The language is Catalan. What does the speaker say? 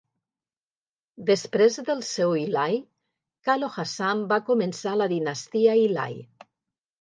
Després del seu Hilai Kalo Hassan va començar la dinastia Hilai.